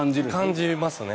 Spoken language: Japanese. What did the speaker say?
感じますね。